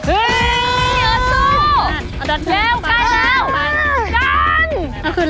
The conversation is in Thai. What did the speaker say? เฮ้เอิ้ตสู้